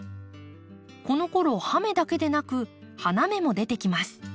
このころ葉芽だけでなく花芽も出てきます。